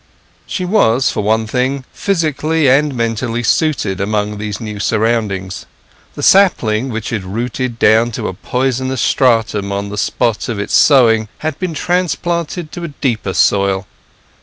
She was, for one thing, physically and mentally suited among these new surroundings. The sapling which had rooted down to a poisonous stratum on the spot of its sowing had been transplanted to a deeper soil.